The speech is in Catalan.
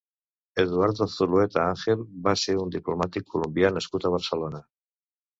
Eduardo Zuleta Angel va ser un diplomàtic colombià nascut a Barcelona.